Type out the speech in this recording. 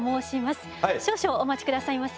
少々お待ち下さいませ。